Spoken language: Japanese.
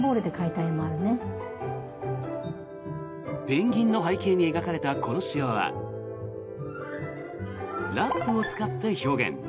ペンギンの背景に描かれたこのしわはラップを使って表現。